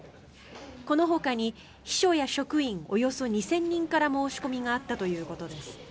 このほかに秘書や職員およそ２０００人から申し込みがあったということです。